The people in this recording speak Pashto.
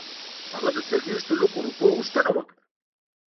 هغه د څلوېښتو لکو روپیو غوښتنه وکړه.